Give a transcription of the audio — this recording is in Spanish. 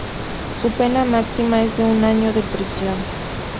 Su pena máxima es de un año de prisión.